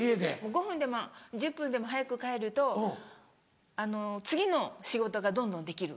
５分でも１０分でも早く帰ると次の仕事がどんどんできる。